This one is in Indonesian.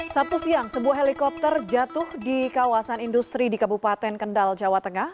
sabtu siang sebuah helikopter jatuh di kawasan industri di kabupaten kendal jawa tengah